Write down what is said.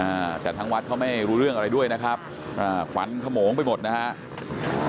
อ่าแต่ทางวัดเขาไม่รู้เรื่องอะไรด้วยนะครับอ่าขวัญขโมงไปหมดนะฮะ